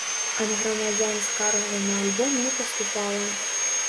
Ад грамадзян скаргаў на альбом не паступала.